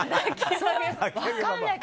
分かんない。